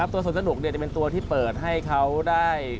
สวนสนุกจะเป็นตัวที่เปิดให้เขาได้